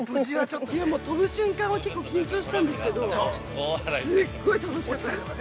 飛ぶ瞬間は結構緊張したんですけど、すごい楽しかったです。